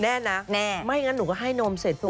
แน่นะไม่อย่างงั้นหนูก็ให้นมเสร็จ